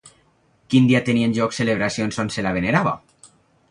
Quin dia tenien lloc celebracions on se la venerava?